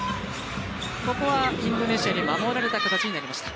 ここはインドネシアに守られた形になりました。